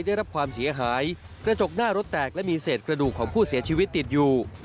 ได้รับความเสียหายกระจกหน้ารถแตกและมีเศษกระดูกของผู้เสียชีวิตติดอยู่